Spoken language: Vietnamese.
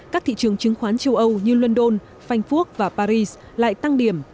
các thị trường chứng khoán châu âu như london phanh phuốc và paris lại tăng điểm